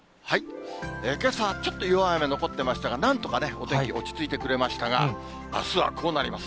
けさ、ちょっと弱い雨、残っていましたが、なんとかね、お天気落ち着いてくれましたが、あすはこうなります。